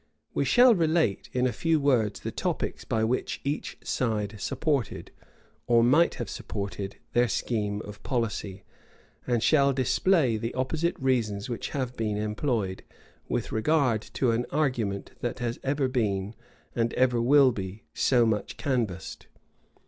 We shall relate, in a few words, the topics by which each side supported, or might have supported, their scheme of policy; and shall display the opposite reasons which have been employed, with regard to an argument that ever has been, and ever will be, so much canvassed.